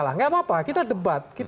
gak apa apa kita debat